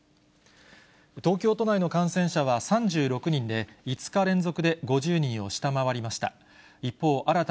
東京都内の感染者は３６人で、５日連続で５０人を下回りました。